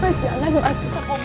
mas jangan mas